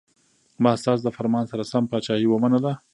ما ستاسو د فرمان سره سم پاچهي ومنله.